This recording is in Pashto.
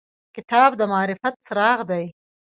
کتاب د معرفت څراغ دی.